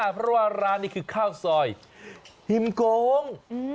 เพราะว่าร้านนี้คือข้าวซอยหิมโกง